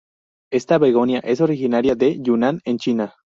Esta "begonia" es originaria de Yunnan en China.